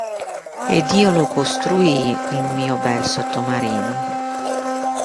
Ed io lo costruii, il mio bel sottomarino.